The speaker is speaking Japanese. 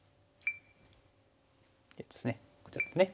こちらですね。